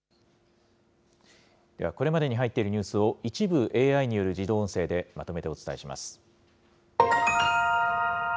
では、これまでに入っているニュースを一部ＡＩによる自動音声でまとめてお伝えします。